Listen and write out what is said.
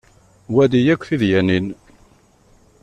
Wali akk tidyanin.